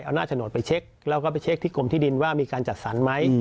เอาหน้าโฉนดไปเช็คแล้วก็ไปเช็คที่กรมที่ดินว่ามีการจัดสรรไหม